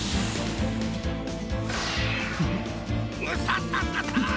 ムササササ！